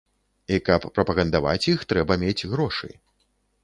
І каб прапагандаваць іх, трэба мець грошы.